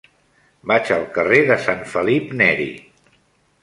Vaig al carrer de Sant Felip Neri.